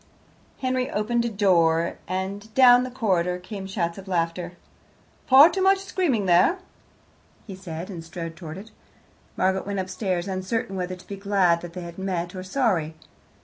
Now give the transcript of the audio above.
Henry opened a door, and down the corridor came shouts of laughter. "Far too much screaming there," he said, and strode towards it. Margaret went upstairs, uncertain whether to be glad that they had met, or sorry.